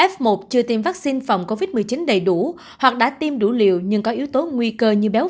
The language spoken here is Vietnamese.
f một chưa tiêm vaccine phòng covid một mươi chín đầy đủ hoặc đã tiêm đủ liều nhưng có yếu tố nguy cơ như béo